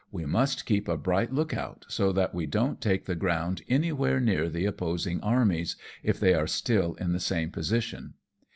We must keep a bright look out, so that we don't take the ground anywhere near the opposing armies, if they are still in the same position.